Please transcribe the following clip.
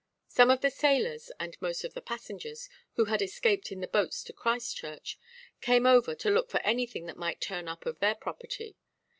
Some of the sailors, and most of the passengers, who had escaped in the boats to Christchurch, came over to look for anything that might turn up of their property.